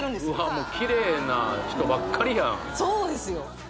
もうキレイな人ばっかりやんそうですよ